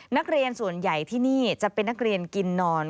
นักเรียนส่วนใหญ่ที่นี่จะเป็นนักเรียนกินนอน